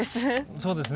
そうですね